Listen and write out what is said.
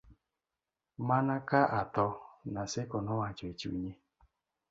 mana ka atho, Naseko nowacho e chunye